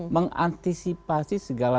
mengantisipasi segala kemungkinan